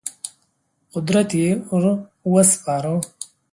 قدرت یې ور وسپاره.